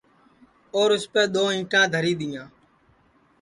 اور اُسپے دؔو اِنٹا دھری دیاں